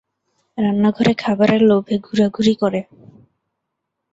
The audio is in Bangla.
রান্নাঘরে খাবারের লোভে ঘোরাঘুরি করে।